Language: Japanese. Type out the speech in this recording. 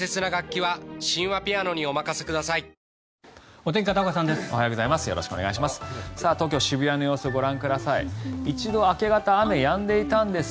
おはようございます。